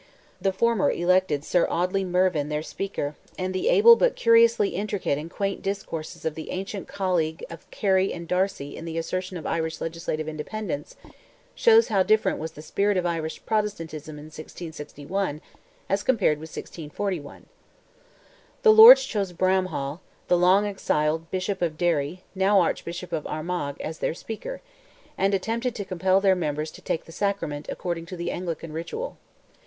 The former elected Sir Audley Mervyn their Speaker, and the able but curiously intricate and quaint discourses of the ancient colleague of Kelly and Darcy in the assertion of Irish legislative independence, shows how different was the spirit of Irish Protestantism in 1661 as compared with 1641. The Lords chose Bramhall, the long exiled Bishop of Derry, now Archbishop of Armagh, as their Speaker, and attempted to compel their members "to take the sacrament" according to the Anglican ritual.